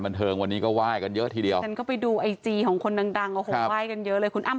บรรเทิงวันนี้ก็ว่ายกันเยอะทีเดียวก็ไปดูไอจีของคนดังว่ายกันเยอะเลยคุณอ้ำ